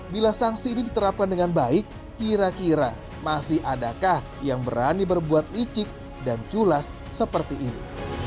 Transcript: bila sanksi ini diterapkan dengan baik kira kira masih adakah yang berani berbuat licik dan culas seperti ini